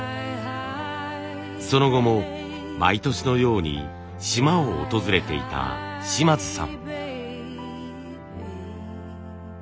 その後も毎年のように島を訪れていた島津さん。